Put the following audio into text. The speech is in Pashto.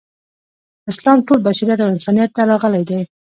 اسلام ټول بشریت او انسانیت ته راغلی دی.